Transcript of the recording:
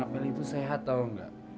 apalagi itu sehat tau gak